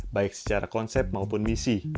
baik secara konsep maupun misi